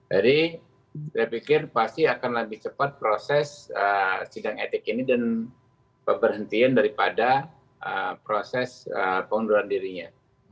jadi saya pikir pasti akan lebih cepat proses sidang etik ini dan berhentian daripada proses pengunduran dirinya